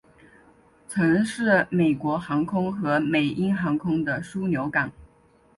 曾是美国航空和美鹰航空的枢杻港。